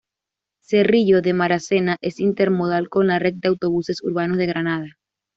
Cerrillo de Maracena es intermodal con la red de autobuses urbanos de Granada.